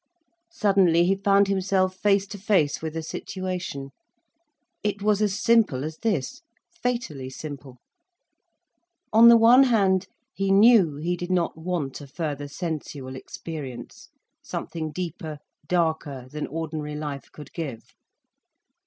Suddenly he found himself face to face with a situation. It was as simple as this: fatally simple. On the one hand, he knew he did not want a further sensual experience—something deeper, darker, than ordinary life could give.